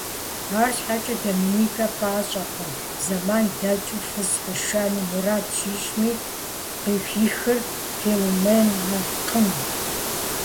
Арщхьэкӏэ Доменикэ пӏащӏэркъым, зэман дэкӏыу фыз къишэну мурад щищӏми къыхихыр Филуменэкъым.